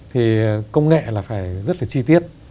thì công nghệ là phải rất là chi tiết